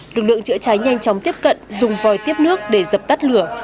lực lượng chữa cháy nhanh chóng tiếp cận dùng vòi tiếp nước để dập tắt lửa